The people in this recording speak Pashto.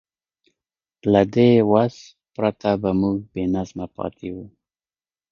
له دې وس پرته به موږ بېنظمه پاتې وو.